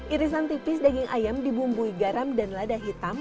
irisan tipis daging ayam dibumbui garam dan lada hitam